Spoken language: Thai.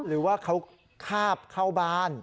หรือว่าเขาคาบเข้าบ้าน